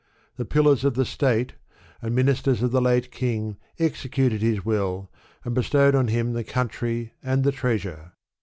The Pillars of the State, and ministers of the late king, executed his will, and bestowed on him the country and the treasure.